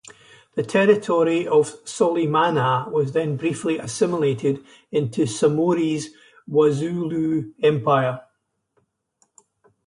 The territory of Solimana was then briefly assimilated into Samori's Wassoulou Empire.